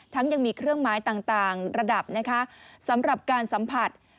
ยังมีเครื่องไม้ต่างระดับนะคะสำหรับการสัมผัส